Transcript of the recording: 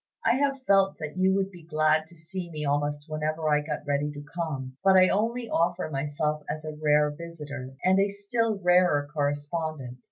I have felt that you would be glad to see me almost whenever I got ready to come; but I only offer myself as a rare visitor, and a still rarer correspondent.